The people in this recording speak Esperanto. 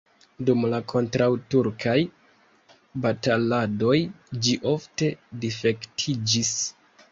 Dum la kontraŭturkaj bataladoj ĝi ofte difektiĝis.